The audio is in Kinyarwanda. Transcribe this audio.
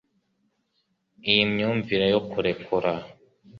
iyi myumvire yo kurekura